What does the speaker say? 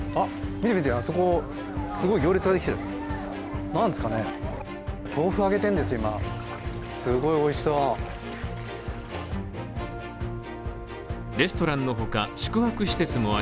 見て、あそこすごい行列ができる。